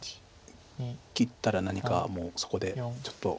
切ったら何かもうそこでちょっと。